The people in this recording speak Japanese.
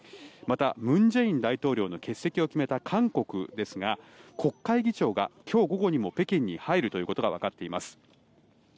また、文在寅大統領の欠席を決めた韓国ですが国会議長が今日午後にも北京に入るということがわかっています。